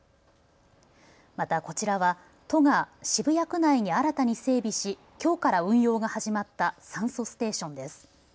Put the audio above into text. またこちらは都が渋谷区内に新たに整備し、きょうから運用が始まった酸素ステーションです。